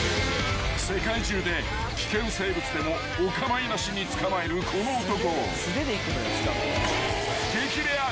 ［世界中で危険生物でもお構いなしに捕まえるこの男］